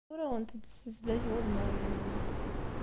Ur awent-d-ssezlageɣ udmawen-nwent.